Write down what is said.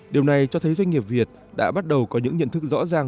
điều này cho thấy doanh nghiệp việt đã bắt đầu có những nhận thức rõ ràng